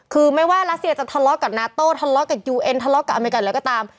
คือไม่ว่ารัสเซียจะทะเลาะกับนาโต้ทะเลาะกับยูเอ็นทะเลาะกับอเมริกันอะไรก็ตาม